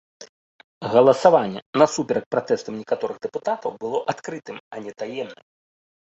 Галасаванне, насуперак пратэстам некаторых дэпутатаў, было адкрытым, а не таемным.